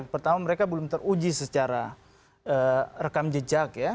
pertama mereka belum teruji secara rekam jejak ya